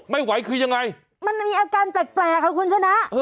ไม่ไหวคือยังไงมันมีอาการแปลกค่ะคุณชนะ